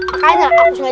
makanya aku suka darusakin